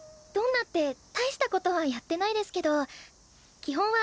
どんなって大したことはやってないですけど基本